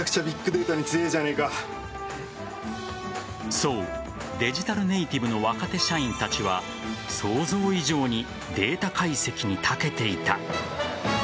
そう、デジタルネイティブの若手社員たちは想像以上にデータ解析に長けていた。